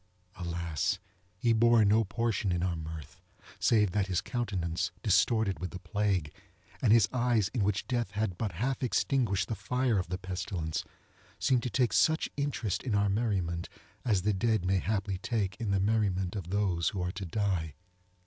Alas! he bore no portion in our mirth, save that his countenance, distorted with the plague, and his eyes, in which Death had but half extinguished the fire of the pestilence, seemed to take such interest in our merriment as the dead may haply take in the merriment of those who are to die.